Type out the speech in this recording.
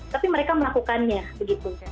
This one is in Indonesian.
tapi mereka melakukannya begitu